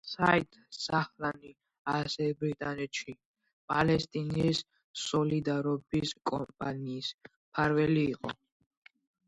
საიდ ზაჰლანი ასევე ბრიტანეთში „პალესტინის სოლიდარობის კამპანიის“ მფარველი იყო.